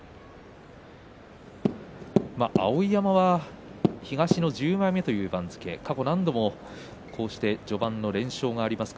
碧山は東の１０枚目という番付過去、何度もこうして序盤の連勝があります。